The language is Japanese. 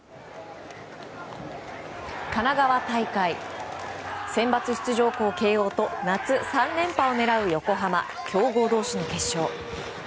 神奈川大会センバツ出場校・慶應と夏３連覇を狙う横浜強豪同士の決勝。